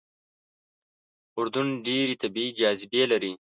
اردن ډېرې طبیعي جاذبې لري.